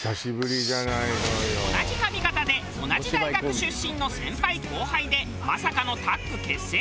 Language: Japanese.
同じ髪形で同じ大学出身の先輩後輩でまさかのタッグ結成！